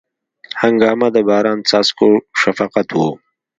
هنګامه د باران څاڅکو شفقت و